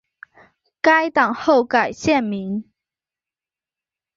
该党后改现名。